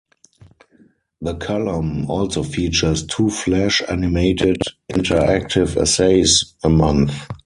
The column also features two flash animated "Interactive Essays" a month.